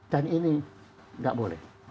dan ini nggak boleh